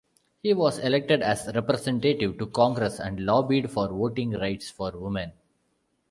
He was elected as representative to congress and lobbied for voting rights for women.